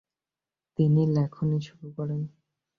তিনি লেখনী শুরু করেন।